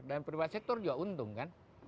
dan peribad sektor juga untung kan